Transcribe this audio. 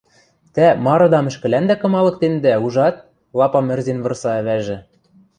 Тӓ марыдам ӹшкӹлӓндӓ кымалыктынедӓ, ужат?! — лапам ӹрзен вырса ӓвӓжӹ.